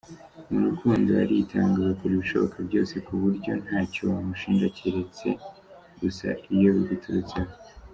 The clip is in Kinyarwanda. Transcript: Mu rukundo aritanga, agakora ibishoboka byose ku buryo ntacyo wamushinja keretse gusa iyo biguturutseho.